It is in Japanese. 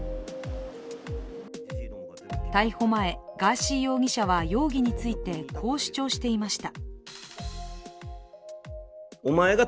逮捕前、ガーシー容疑者は容疑についてこう主張していました。